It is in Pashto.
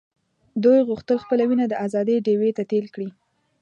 دوی غوښتل خپله وینه د آزادۍ ډیوې ته تېل کړي.